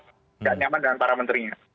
tidak nyaman dengan para menterinya